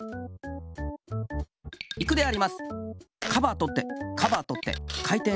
いくであります。